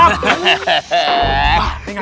salam balik dong